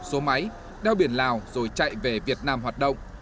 số máy đeo biển lào rồi chạy về việt nam hoạt động